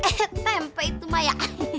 eh tempe itu maya